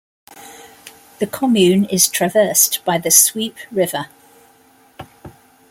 The commune is traversed by the Suippe river.